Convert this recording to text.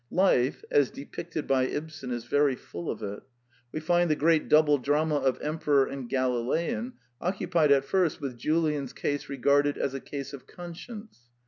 Life, as depicted by Ibsen, is very full of it. We find the great double drama of Emperor and Galilean occupied at first with Julian's *case re garded as a case of conscience.